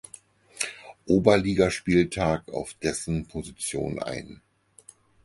Oberligaspieltag auf dessen Position ein.